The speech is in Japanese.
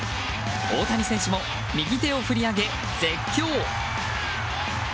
大谷選手も右手を振り上げ絶叫。